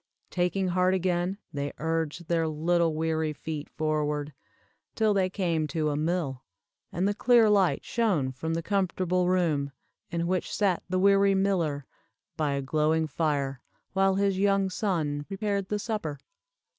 Taking heart again, they urged their little weary feet forward, till they came to a mill, and the clear light shone from the comfortable room, in which sat the weary miller, by a glowing fire, while his young son prepared the supper.